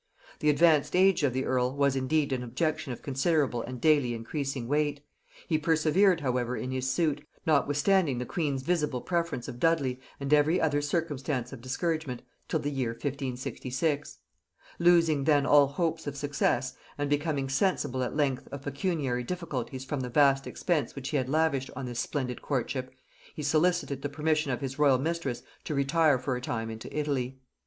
The advanced age of the earl was indeed an objection of considerable and daily increasing weight; he persevered however in his suit, notwithstanding the queen's visible preference of Dudley and every other circumstance of discouragement, till the year 1566. Losing then all hopes of success, and becoming sensible at length of pecuniary difficulties from the vast expense which he had lavished on this splendid courtship, he solicited the permission of his royal mistress to retire for a time into Italy.